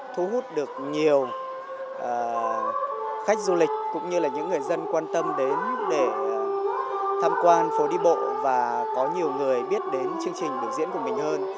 thu hút được nhiều khách du lịch cũng như là những người dân quan tâm đến để tham quan phố đi bộ và có nhiều người biết đến chương trình biểu diễn của mình hơn